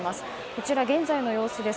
こちらは現在の様子です。